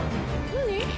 何？